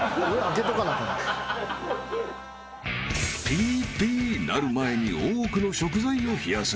［ピーピー鳴る前に多くの食材を冷やせ］